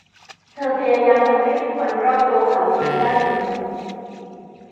เธอพยายามทำให้ทุกคนรอบตัวเขายิ้มได้เสมอ